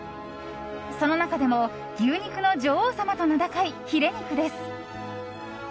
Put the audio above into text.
その中でも牛肉の女王様と名高いヒレ肉です。